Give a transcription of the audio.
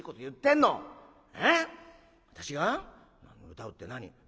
私が歌うって何？」。